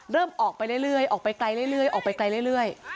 เริ่มออกไปเรื่อยออกไปไกลเรื่อยออกไปไกลเรื่อย